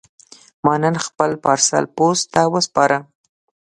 ما نن خپل پارسل پوسټ ته وسپاره.